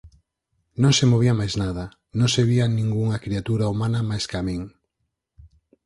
Non se movía máis nada, non se vía ningunha criatura humana máis ca min.